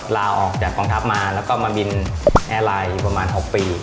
ลาออกจากกองทัพมาแล้วก็มาบินแอร์ไลน์อยู่ประมาณ๖ปี